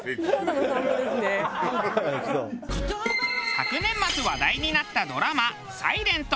昨年末話題になったドラマ『ｓｉｌｅｎｔ』。